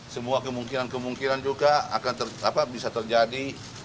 semua kemungkinan kemungkinan juga akan bisa terjadi